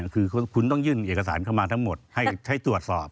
คือคุณต้องยื่นเอกสารเข้ามาทั้งหมดให้ใช้ตรวจสอบ